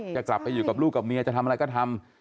จะกลับไปอยู่กับลูกกับเมียจะทำอะไรก็ทำ